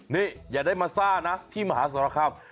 นี่อย่าได้มาซ่านะที่มหาสรคาม